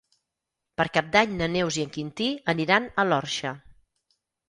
Per Cap d'Any na Neus i en Quintí aniran a l'Orxa.